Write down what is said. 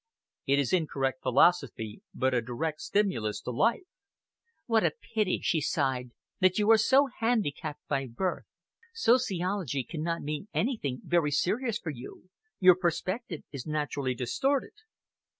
It is incorrect philosophy but a distinct stimulus to life." "What a pity," she sighed, "that you are so handicapped by birth! Sociology cannot mean anything very serious for you. Your perspective is naturally distorted."